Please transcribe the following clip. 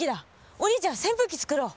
お兄ちゃん扇風機つくろう。